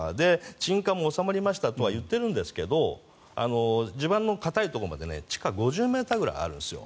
沈下も収まりましたとは言っているんですが地盤の固いところまで地下５０ｍぐらいあるんですよ。